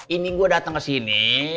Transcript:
ini gue dateng kesini